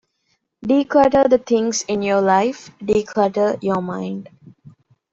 De-clutter the things in your life, de-clutter your mind.